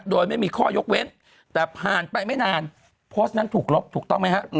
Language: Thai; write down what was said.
โดยไม่มีข้อยกเว้นแต่ผ่านไปไม่นานโพสต์นั้นถูกลบถูกต้องไหมฮะ